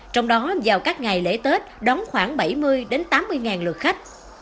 trong đó vào các ngày lễ tết đóng khoảng bảy mươi tám mươi ngàn lượt khách